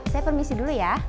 saya permisi dulu ya